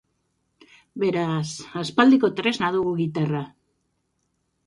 Beraz, aspaldiko tresna dugu gitarra.